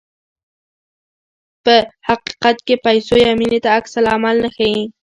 په حقیقت کې پیسو یا مینې ته عکس العمل نه ښيي.